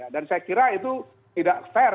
dan saya kira itu tidak fair